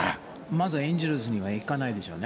まずエンゼルスには行かないでしょうね。